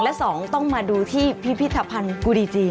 และสองต้องมาดูที่พิพิธภัณฑ์กูดีจี